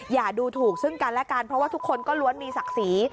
อย่าดูถูกซึ่งกันและกันเพราะว่าทุกคนก็ล้วนมีศักดิ์ศรี